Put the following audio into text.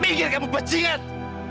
minggir kamu pacingat